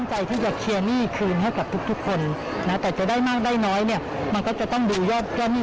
ไปคุยแล้วว่าสุดมั้ยเขาต้องการอย่างนี้